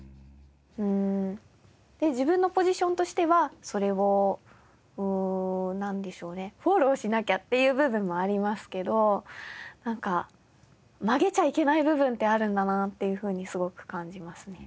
で自分のポジションとしてはそれをなんでしょうねフォローしなきゃっていう部分もありますけど曲げちゃいけない部分ってあるんだなっていうふうにすごく感じますね。